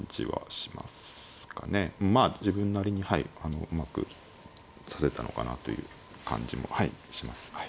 まあ自分なりにはいうまく指せたのかなという感じもします。